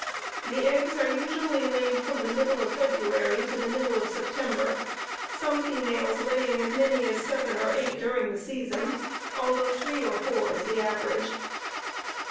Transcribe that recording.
The eggs are usually laid from the middle of February to the middle of September, some females laying as many as seven or eight during the season, though three or four is the average.